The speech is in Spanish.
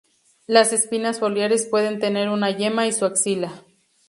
Las espinas foliares pueden tener una yema en su axila.